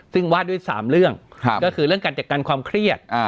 ซึ่งวาดด้วย๓เรื่องก็คือเรื่องการจัดการความเครียด